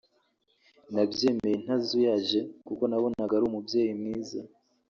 nabyemeye ntazuyaje kuko nabonaga ari umubyeyi mwiza